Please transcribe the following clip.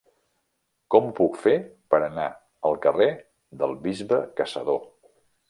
Com ho puc fer per anar al carrer del Bisbe Caçador?